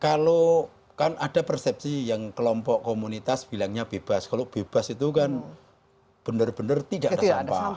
kalau kan ada persepsi yang kelompok komunitas bilangnya bebas kalau bebas itu kan benar benar tidak ada sampah